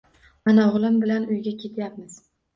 Mana, o`g`lim bilan uyga ketayapmiz